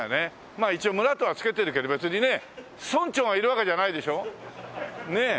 まあ一応村とは付けてるけど別にね村長がいるわけじゃないでしょ？ねえ。